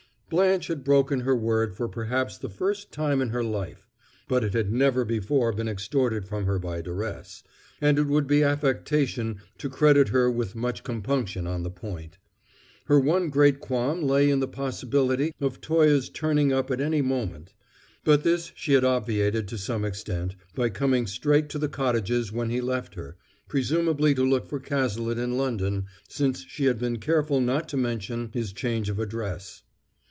Blanche had broken her word for perhaps the first time in her life; but it had never before been extorted from her by duress, and it would be affectation to credit her with much compunction on the point. Her one great qualm lay in the possibility of Toye's turning up at any moment; but this she had obviated to some extent by coming straight to the cottages when he left her presumably to look for Cazalet in London, since she had been careful not to mention his change of address.